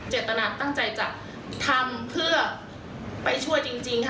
เจ็บตนัดจะทำให้ช่วยจริง